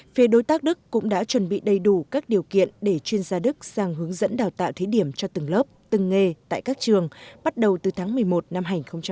phía đối tác đức cũng đã chuẩn bị đầy đủ các điều kiện để chuyên gia đức sang hướng dẫn đào tạo thí điểm cho từng lớp từng nghề tại các trường bắt đầu từ tháng một mươi một năm hai nghìn một mươi chín